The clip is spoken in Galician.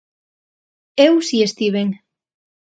Eu si estiven.